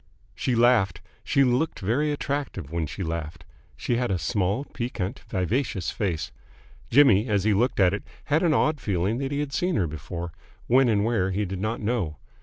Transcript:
She laughed. She looked very attractive when she laughed. She had a small, piquant, vivacious face. Jimmy, as he looked at it, had an odd feeling that he had seen her before when and where he did not know.